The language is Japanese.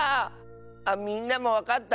みんなもわかった？